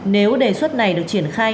nếu đề xuất này được triển khai